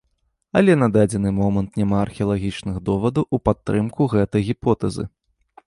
Але на дадзены момант няма археалагічных довадаў у падтрымку гэтай гіпотэзы.